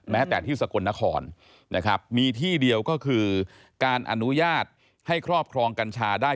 แม้แต่ที่สกลนครนะครับมีที่เดียวก็คือการอนุญาตให้ครอบครองกัญชาได้